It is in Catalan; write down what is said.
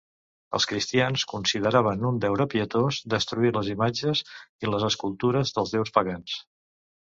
Els cristians consideraven un deure pietós destruir les imatges i les escultures dels déus pagans.